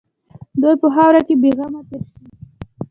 دوی په خاوره کې بېغمه تېر شي.